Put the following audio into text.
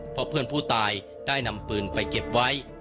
เพราะเพื่อนผู้ตายได้นำปืนไปเก็บไว้